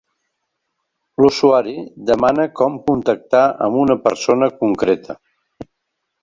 L'usuari demana com contactar amb una persona concreta.